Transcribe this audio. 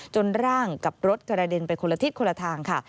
ร่างกับรถกระเด็นไปคนละทิศคนละทางค่ะ